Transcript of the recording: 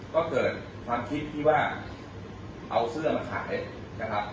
ก็เกิดความคิดที่ว่าเอาเสื้อมาขายนะครับ